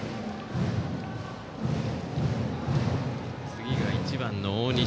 次が１番の大西。